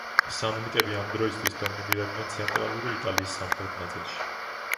სამნიტები ამ დროისთვის დომინირებდნენ ცენტრალური იტალიის სამხრეთ ნაწილში.